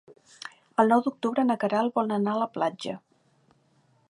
El nou d'octubre na Queralt vol anar a la platja.